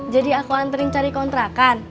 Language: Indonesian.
jadi aku anterin cari kontra kan